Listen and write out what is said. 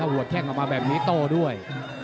หัวแข้งออกมาแบบนี้โต้ด้วย